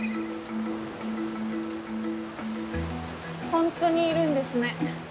ホントにいるんですね。